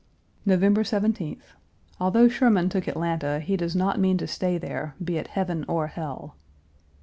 November 17th. Although Sherman1 took Atlanta, he does not mean to stay there, be it heaven or hell.